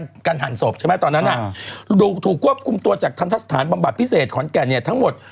การหั่นศพใช่ไหมตอนนั้นถูกควบคุมตัวจากทันทะสถานบำบัดพิเศษขอนแก่นเนี่ยทั้งหมด